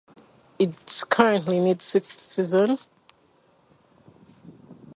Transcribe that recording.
It is currently in its sixth season.